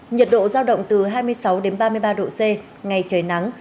nhật độ giao động từ hai mươi sáu ba mươi ba độ c ngày trời nắng